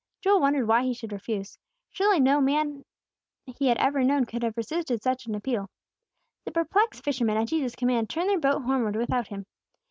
Joel wondered why He should refuse. Surely no other man he had ever known could have resisted such an appeal. The perplexed fisherman, at Jesus's command, turned their boat homeward without Him.